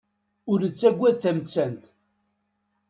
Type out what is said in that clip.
Ur nettagad tamettant.